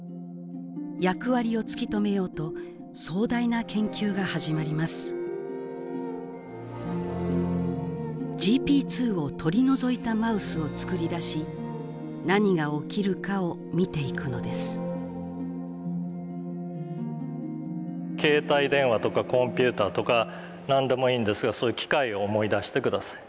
役割を突き止めようと壮大な研究が始まりますＧＰ２を取り除いたマウスを作り出し何が起きるかを見ていくのです携帯電話とかコンピューターとか何でもいいんですがそういう機械を思い出して下さい。